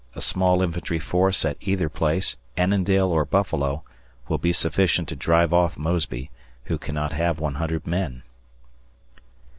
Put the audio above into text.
A small infantry force at either place, Annandale or Buffalo, will be sufficient to drive off Mosby, who cannot have 100 men.